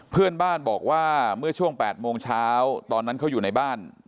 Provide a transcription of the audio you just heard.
เพื่อนบ้านบอกว่าเมื่อช่วง๘โมงเช้าตอนนั้นเขาอยู่ในบ้าน